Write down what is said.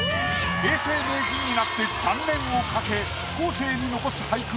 永世名人になって３年をかけ後世に残す俳句